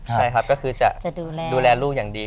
ใช่ครับก็คือจะดูแลลูกอย่างดี